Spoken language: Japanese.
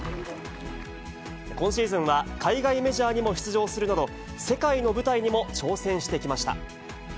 今シーズンは海外メジャーにも出場するなど、世界の舞台にも挑戦してきました。